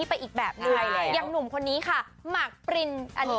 ให้วินาทุกคนดูมัคนะ